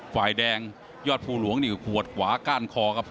ฝ่ายแดงยอดภูหลวงนี่ขวดขวาก้านคอครับ